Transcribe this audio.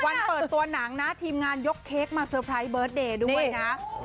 เปิดตัวหนังนะทีมงานยกเค้กมาเตอร์ไพรส์เบิร์ตเดย์ด้วยนะ